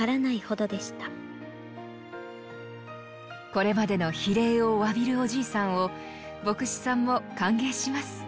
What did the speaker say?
これまでの非礼をわびるおじいさんを牧師さんも歓迎します。